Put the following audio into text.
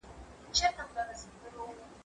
زه پرون پاکوالي ساتم وم،